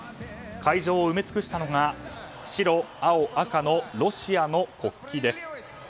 会場を埋め尽くしたのが白、青、赤のロシアの国旗です。